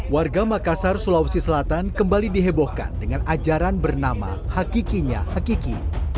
warga makassar sulawesi selatan kembali dihebohkan dengan ajaran bernama hakikinya hakiki